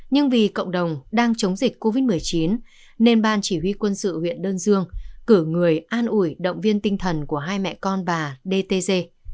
nhưng vì cộng đồng đang chống dịch covid một mươi chín nên ban chỉ huy quân sự huyện đơn dương cử người an ủi động viên tinh thần của hai mẹ con bà dtg